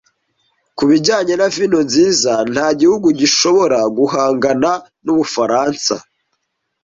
Ku bijyanye na vino nziza, nta gihugu gishobora guhangana n'Ubufaransa.